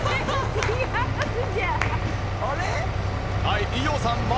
はい伊代さんも